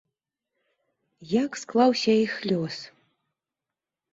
Як склаўся іх лёс?